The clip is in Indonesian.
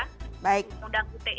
undang undang ite ini lebih